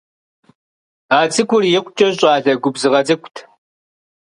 А цӏыкӏур икъукӀэ щӀалэ губзыгъэ цӀыкӀут.